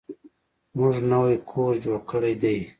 موږ نوی کور جوړ کړی دی.